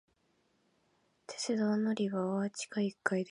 鉄道の乗り場は地下一階です。